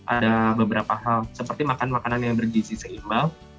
ada beberapa hal seperti makan makanan yang bergizi seimbang